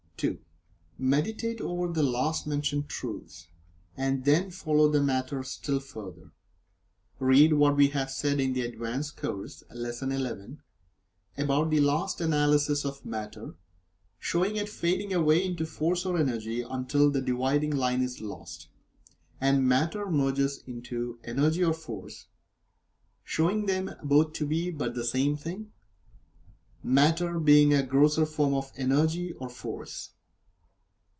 (2) Meditate over the last mentioned truths, and then follow the matter still further. Read what we have said in the "Advanced Course" (Lesson XI) about the last analysis of Matter showing it fading away into Force or Energy until the dividing line is lost, and Matter merges into Energy or Force, showing them both to be but the same thing, Matter being a grosser form of Energy or Force.